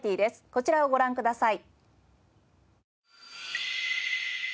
こちらをご覧ください。